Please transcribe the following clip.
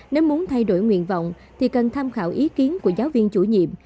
nếu muốn thay đổi nguyện vọng thì cần tham khảo ý kiến của giáo viên chủ nhiệm